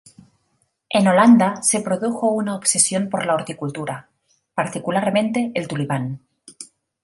En Holanda se produjo una obsesión por la horticultura, particularmente el tulipán.